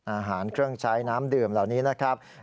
อาหารเครื่องใช้น้ำดื่มเหล่านี้นะครับ